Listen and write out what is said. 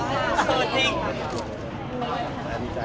ให้รักค่ะ